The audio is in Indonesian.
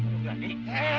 lepas gadi lepas